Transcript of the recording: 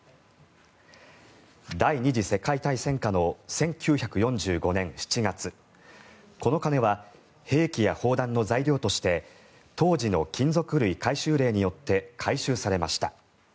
第２次世界大戦下の１９４５年７月この鐘は兵器や砲弾の材料として当時の金属類回収令によって回収されました。